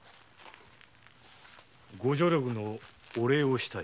ご助力のお礼をしたい。